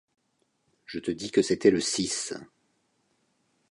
Je te dis que c’était le six.